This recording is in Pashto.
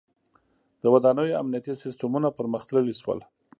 • د ودانیو امنیتي سیستمونه پرمختللي شول.